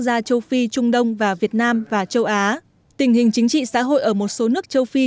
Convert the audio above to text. gia châu phi trung đông và việt nam và châu á tình hình chính trị xã hội ở một số nước châu phi